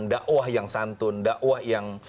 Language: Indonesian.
dakwah yang santun dakwah yang